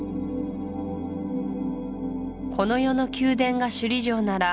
この世の宮殿が首里城なら